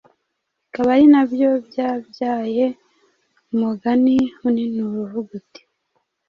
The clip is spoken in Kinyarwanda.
bikaba ari nabyo byabyaye umugani uninura uvuga uti’